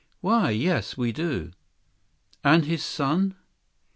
"Why, yes, we do." "And his son?"